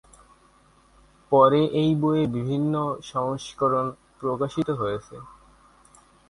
পরে এই বইয়ের বিভিন্ন সংস্করণ প্রকাশিত হয়েছে।